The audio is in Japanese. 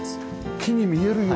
木に見えるような。